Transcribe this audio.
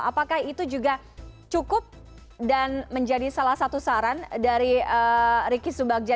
apakah itu juga cukup dan menjadi salah satu saran dari riki subagja